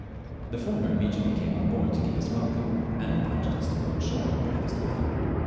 The former immediately came on board to give us welcome, and invited us to go on shore and breakfast with him.